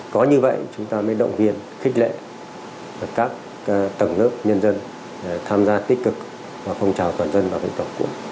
có như vậy chúng ta mới động viên khích lệ các tầng lớp nhân dân tham gia tích cực vào phong trào toàn dân bảo vệ tổ quốc